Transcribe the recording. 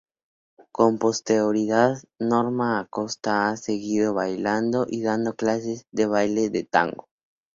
Con posterioridad Norma Acosta ha seguido bailando y dando clases de baile de tango.